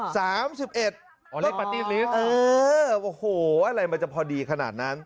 อ่อสามสิบเอ็ดอ๋อนี่ิตนี๊ยงเออโอ้โหอะไรมันจะพอดีขนาดนั้น